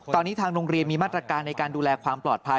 ตอนนี้ทางโรงเรียนมีมาตรการในการดูแลความปลอดภัย